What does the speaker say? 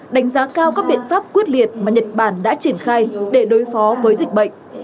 đánh giá cao các biện pháp quyết liệt mà nhật bản đã triển khai để đối phó với dịch bệnh